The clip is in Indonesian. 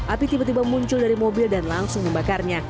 api tiba tiba muncul dari mobil dan langsung membakarnya